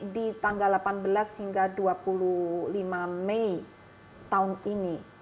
di tanggal delapan belas hingga dua puluh lima mei tahun ini